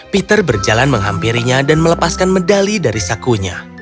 peter berjalan menghampirinya dan melepaskan medali dari sakunya